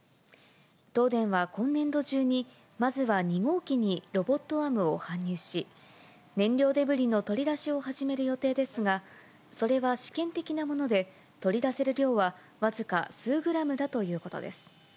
東電は今年度中に、まずは２号機にロボットアームを搬入し、燃料デブリの取り出しを始める予定ですが、それは試験的なもので、取り出せる量は僅か数グラムだということです。